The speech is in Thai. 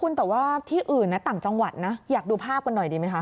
คุณแต่ว่าที่อื่นนะต่างจังหวัดนะอยากดูภาพกันหน่อยดีไหมคะ